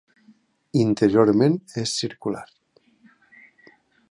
Interiorment és circular.